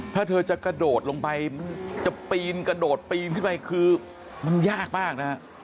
ถ้าเธอจะกระโดดลงไปมันจะปีนกระโดดปีนขึ้นไปคือมันยากมากนะฮะ